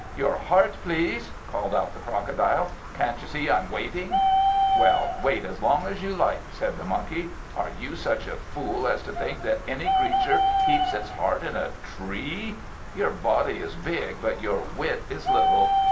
"Your heart, please!" called out the Crocodile. "Can't you see I'm waiting?" "Well, wait as long as you like!" said the Monkey. "Are you such a fool as to think that any creature keeps its heart in a tree? Your body is big, but your wit is little.